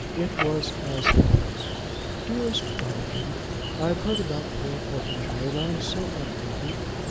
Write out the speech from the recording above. It was as follows: "DEAREST BROTHERTON, I have heard about poor Popenjoy, and I am so unhappy.